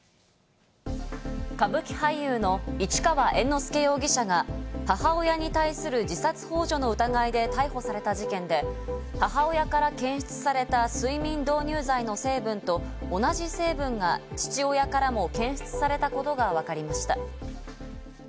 歌舞伎俳優の市川猿之助容疑者が母親に対する自殺ほう助の疑いで逮捕された事件で、母親から検出された睡眠導入剤の成分と同じ成分が父親からも検出されたことがわかりました。